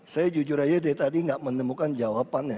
saya jujur saja dari tadi tidak menemukan jawabannya